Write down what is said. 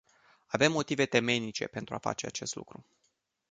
Avem motive temeinice pentru a face acest lucru.